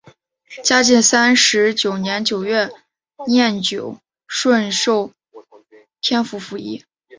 嘉靖三十九年九月廿九授顺天府府尹。